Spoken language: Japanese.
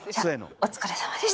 お疲れさまです。